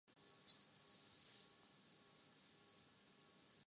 اپنی ہی پرانی فلمیں دیکھ لی جائیں۔